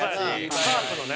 カープのね。